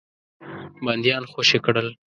بندیان خوشي کړل.